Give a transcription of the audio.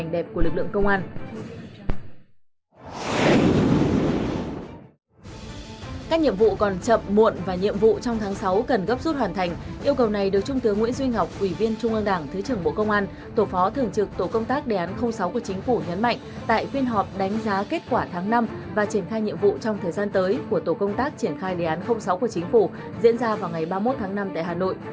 đối an ninh an tháng sáu cần gấp rút hoàn thành yêu cầu này được trung tướng nguyễn duy ngọc ủy viên trung an đảng thứ trưởng bộ công an tổ phó thưởng trực tổ công tác đề án sáu của chính phủ nhấn mạnh tại phiên họp đánh giá kết quả tháng năm và triển khai nhiệm vụ trong thời gian tới của tổ công tác triển khai đề án sáu của chính phủ diễn ra vào ngày ba mươi một tháng năm tại hà nội